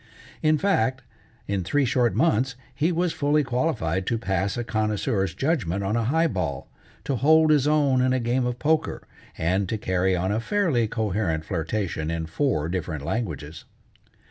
In fact, in three short months he was fully qualified to pass a connoisseur's judgment on a high ball, to hold his own in a game of poker, and to carry on a fairly coherent flirtation in four different languages.